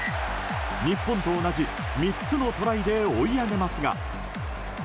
日本と同じ３つのトライで追い上げますが。